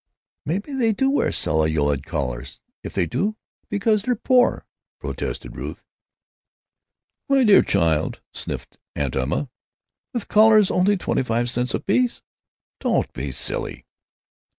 "Maybe they wear celluloid collars—if they do—because they're poor," protested Ruth. "My dear child," sniffed Aunt Emma, "with collars only twenty five cents apiece? Don't be silly!"